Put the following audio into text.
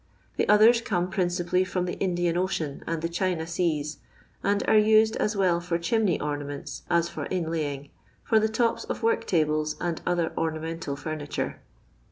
The others come prin cipally from the Indian Ocean and the Ghina seas, and are used as well for chimney ornaments, as for inlaying, for the tops of work tables and other ornamental liimitnre.